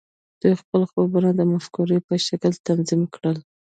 دوی خپل خوبونه د مفکورو په شکل تنظیم کړل